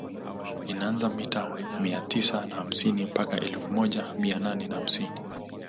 Inaanzia mita mia tisa na hamsini mpaka elfu moja mia nane na hamsini